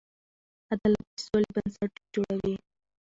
عدالت د سولې بنسټ جوړوي.